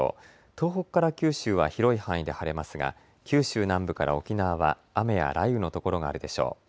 東北から九州は広い範囲で晴れますが九州南部から沖縄は雨や雷雨の所があるでしょう。